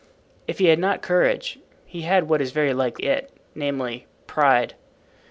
If he had not courage he had what is very like it, namely, pride.